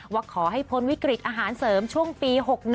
ว่าขอให้พ้นวิกฤตอาหารเสริมช่วงปี๖๑